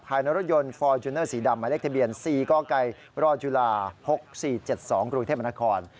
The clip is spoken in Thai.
ในรถยนต์ฟอร์จูเนอร์สีดำหมายเลขทะเบียน๔กกรจุฬา๖๔๗๒กรุงเทพมนาคม